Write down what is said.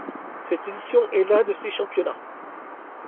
Cette édition est la de ses championnats.